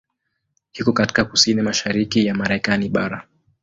Iko katika kusini-mashariki ya Marekani bara.